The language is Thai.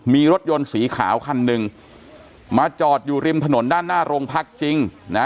มีรถยนต์สีขาวคันหนึ่งมาจอดอยู่ริมถนนด้านหน้าโรงพักจริงนะ